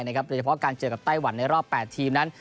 โดยเฉพาะการเจอกับไต้หวันในรอบ๘ทีมนั้น